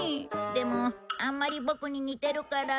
でもあんまりボクに似てるから。